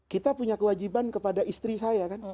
kita punya kewajiban kepada istri saya kan